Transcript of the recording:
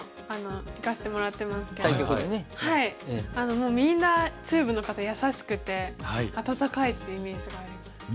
もうみんな中部の方優しくて温かいってイメージがあります。